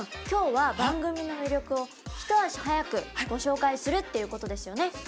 今日は番組の魅力を一足早くご紹介するっていうことですよね。